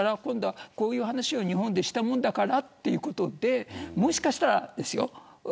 こういう話を日本でしたものだからというところでもしかしたらですよ